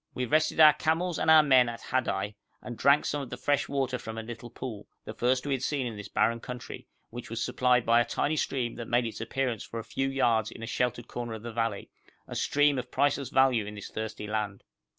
We rested our camels and our men at Hadai, and drank of some fresh water from a little pool, the first we had seen in this barren country, which was supplied by a tiny stream that made its appearance for a few yards in a sheltered corner of the valley, a stream of priceless value in this thirsty land.